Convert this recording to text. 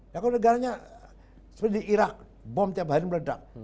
ya kalau negaranya seperti di irak bom tiap hari meledak